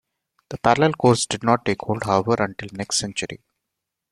The parallel course did not take hold, however, until the next century.